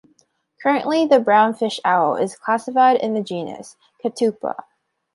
Currently, the brown fish owl is classified in the genus "Ketupa".